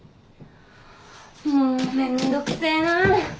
もうめんどくせえな！